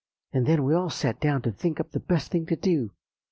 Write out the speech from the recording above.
And then we all sat down to think up the best thing to do.